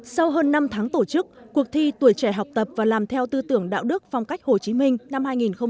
sau hơn năm tháng tổ chức cuộc thi tuổi trẻ học tập và làm theo tư tưởng đạo đức phong cách hồ chí minh năm hai nghìn một mươi chín